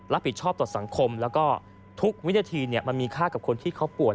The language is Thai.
รับผิดชอบต่อสังคมแล้วก็ทุกวินาทีมันมีค่ากับคนที่เขาป่วย